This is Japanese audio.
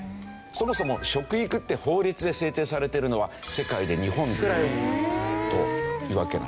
そもそも食育って法律で制定されているのは世界で日本くらいというわけなんですよね。